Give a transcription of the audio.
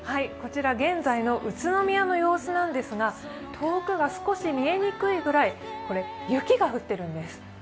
こちら現在の宇都宮の様子なんですが、遠くが少し見えにくいぐらい雪が降っているんです。